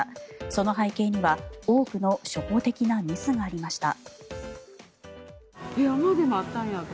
その背景には多くの初歩的なミスがありました。